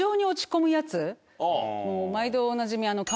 毎度おなじみ。